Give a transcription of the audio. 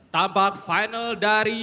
tampak final dari